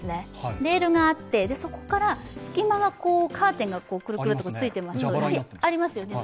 レールがあって、そこから隙間がカーテンがくるくるとついてますよね。